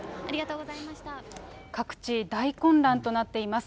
各地、大混乱となっています。